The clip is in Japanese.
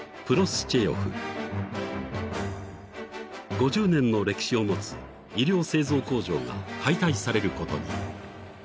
［５０年の歴史を持つ衣料製造工場が解体されることに］